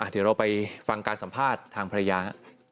เดี๋ยวเราไปฟังการสัมภาษณ์ทางภรรยา